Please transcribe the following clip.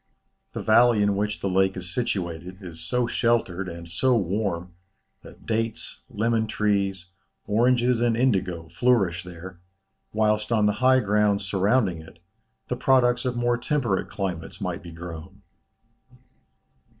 The valley in which the lake is situated, is so sheltered, and so warm, that dates, lemon trees, oranges, and indigo, flourish there, whilst on the high ground surrounding it, the products of more temperate climates might be grown."